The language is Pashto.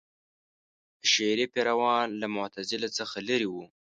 اشعري پیروان له معتزله څخه لرې وو.